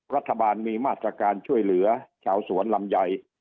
รัฐบาลมีมาตรการช่วยเหลือชาวสวนลำไย